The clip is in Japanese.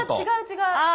違う違う。